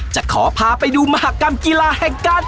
จะขอพาไปดูมหากรรมกีฬาแห่งการ